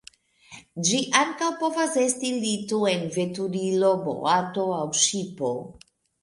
Ĝi ankaŭ povas esti lito en veturilo, boato aŭ ŝipo.